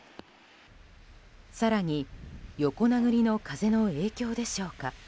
更に横殴りの風の影響でしょうか。